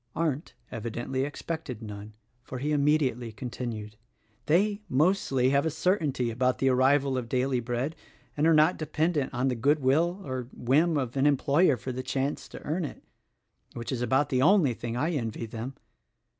Arndt evidently expected none, for he immediately continued: "They, mostly, have a certainty about the arrival of daily bread and are not dependent on the good will or whim of an employer for the chance to earn it — which is about the only thing I envy them.